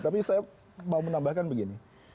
tapi saya mau menambahkan begini